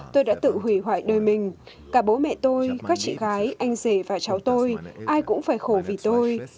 tôi đã tự hủy hoại đời mình cả bố mẹ tôi các chị gái anh rể và cháu tôi ai cũng phải khổ vì tôi